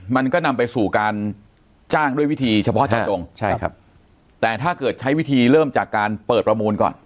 มันก็นำไปสู่การจ้างด้วยวิธีเฉพาะทางตรงใช่ครับแต่ถ้าเกิดใช้วิธีเริ่มจากการเปิดประมูลก่อน